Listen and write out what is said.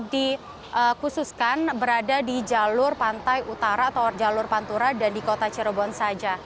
dan berada di jalur pantai utara atau jalur pantura dan di kota cerobon saja